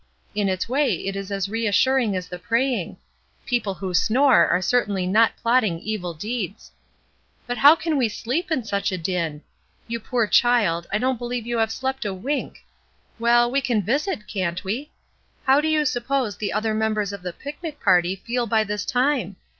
In its way it is as reassuring as the praying; people who snore are certainly not plotting evil deeds. But how can we sleep in such a din ? You poor child, I don't believe you have slept a wink! Well, we can visit, can't we? How do you suppose the other members of the picnic party feel by this time?